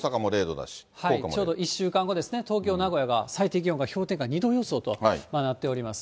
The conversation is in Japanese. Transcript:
ちょうど１週間後ですね、東京、名古屋が最低気温が氷点下２度予想となっております。